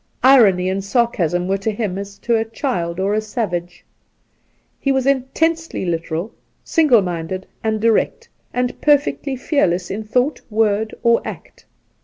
Irony and sarcasm were to him as to a child or a savage. He was intensely literal, single minded and direct, and perfectly fearless in thought, word or act.